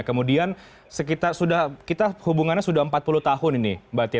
kemudian kita hubungannya sudah empat puluh tahun ini mbak tia